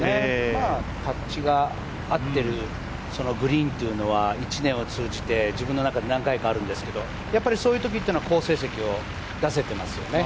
タッチが合っているグリーンというのは１年を通じて自分の中で何回かあるんですけどそういうときっていうのは好成績を出せていますよね。